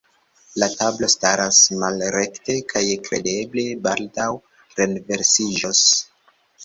La tablo staras malrekte kaj kredeble baldaŭ renversiĝos.